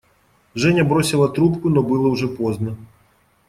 Женя бросила трубку, но было уже поздно.